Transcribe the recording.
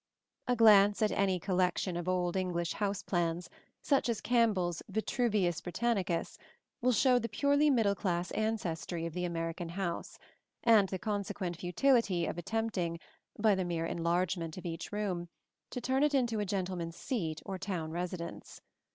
A glance at any collection of old English house plans, such as Campbell's Vitruvius Britannicus, will show the purely middle class ancestry of the American house, and the consequent futility of attempting, by the mere enlargement of each room, to turn it into a gentleman's seat or town residence.